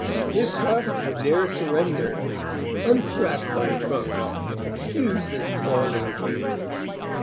His trust would ne'er surrender; unstrap thy trunks, Excuse this scalding tear.